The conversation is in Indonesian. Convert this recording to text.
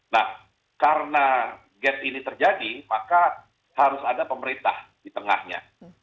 nah karena gap ini terjadi maka harus ada pemerintah di tengahnya